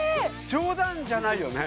冗談じゃないよね？